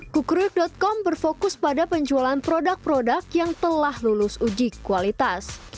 kukruk com berfokus pada penjualan produk produk yang telah lulus uji kualitas